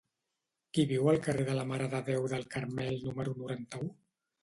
Qui viu al carrer de la Mare de Déu del Carmel número noranta-u?